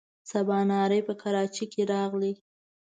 سباناری په کراچۍ کې راغی.